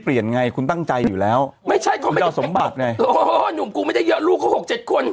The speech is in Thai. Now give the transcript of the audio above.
เปลี่ยนไงคุณตั้งใจอยู่แล้วไม่ใช่เขาไม่ได้สมบัติไงโอ้โหหนุ่มกูไม่ได้เยอะลูกเขาหกเจ็ดคน